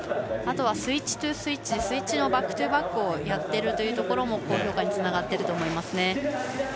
あとはスイッチトゥスイッチでスイッチのバックトゥバックをやってるところも高評価につながってると思います。